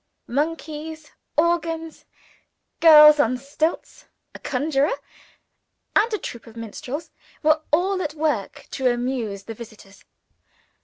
Monkeys, organs, girls on stilts, a conjurer, and a troop of negro minstrels, were all at work to amuse the visitors.